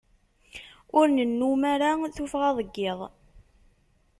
Ur nennum ara tuffɣa deg iḍ.